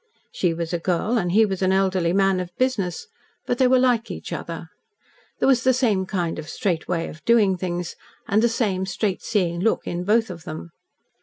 She was a girl, and he was an elderly man of business, but they were like each other. There was the same kind of straight way of doing things, and the same straight seeing look in both of them.